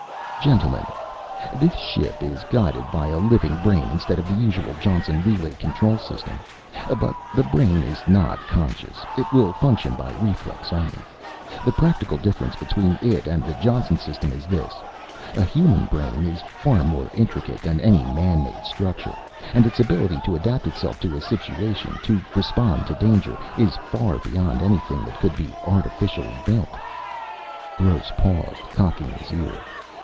"Gentlemen, this ship is guided by a living brain instead of the usual Johnson relay control system. But the brain is not conscious. It will function by reflex only. The practical difference between it and the Johnson system is this: a human brain is far more intricate than any man made structure, and its ability to adapt itself to a situation, to respond to danger, is far beyond anything that could be artificially built." Gross paused, cocking his ear.